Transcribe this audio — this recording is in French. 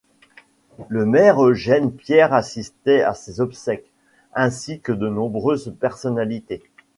Le maire Eugène Pierre assistait à ses obsèques, ainsi que de nombreuses personnalités.